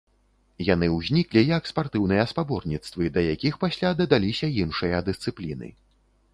Яны ўзніклі як спартыўныя спаборніцтвы, да якіх пасля дадаліся іншыя дысцыпліны.